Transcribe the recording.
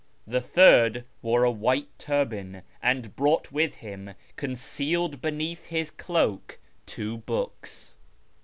The third wore a white turban, and brought with him, concealed beneath his cloak, two books.